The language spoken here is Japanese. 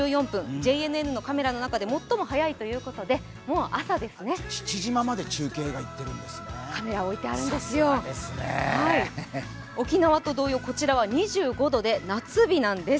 ＪＮＮのカメラの中で最も早いということで、父島まで中継がいっているんですね、さすがですね沖縄と同様、こちらは２５度で夏日なんです。